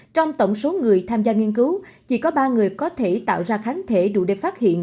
trong tổng số người tham gia nghiên cứu chỉ có ba người có thể tạo ra kháng thể đủ để phát hiện